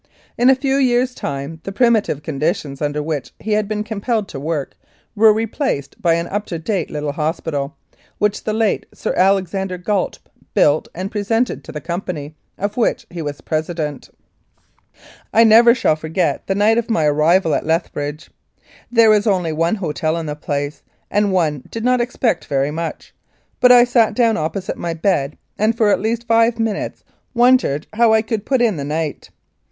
In a few years' time the primitive conditions under which he had been compelled to work were replaced by an up to date little hospital, which the late Sir Alex ander Gait built and presented to the company, of which he was president. I never shall forget the night of my arrival at Leth bridge. There was only one hotel in the place, and one did not expect very much, but I sat down opposite my bed and for at least five minutes wondered how I could put in the night.